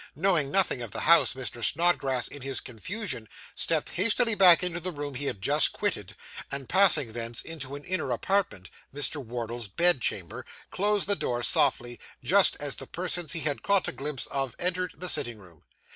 Knowing nothing of the house, Mr. Snodgrass in his confusion stepped hastily back into the room he had just quitted, and passing thence into an inner apartment (Mr. Wardle's bedchamber), closed the door softly, just as the persons he had caught a glimpse of entered the sitting room.